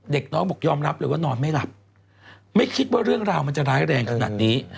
น้องบอกยอมรับเลยว่านอนไม่หลับไม่คิดว่าเรื่องราวมันจะร้ายแรงขนาดนี้